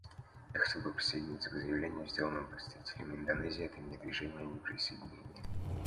Я хотел бы присоединиться к заявлению, сделанному представителем Индонезии от имени Движения неприсоединения.